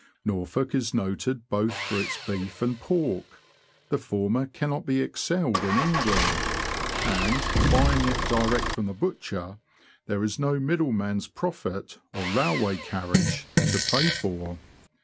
Norfolk is noted both for its beef and pork ; the former cannot be excelled in England, and, buying it direct from the butcher, there is no middleman's profit or railway carriage to pay for.